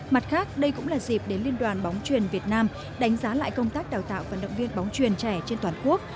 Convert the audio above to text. mặt khác đây cũng là dịp để liên đoàn bóng truyền việt nam đánh giá lại công tác đào tạo vận động viên bóng truyền trẻ trên toàn quốc